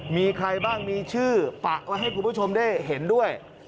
มีใครบ้างมีชื่อปะไว้ให้คุณผู้ชมได้เห็นด้วย